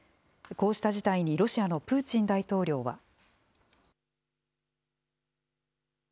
こうした事態にロシアのプーチン大統領は。